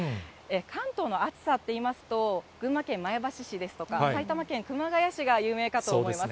関東の暑さといいますと、群馬県前橋市ですとか、埼玉県熊谷市が有名かと思います。